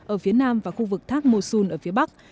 ở phía nam và khu vực thác mosul ở phía bắc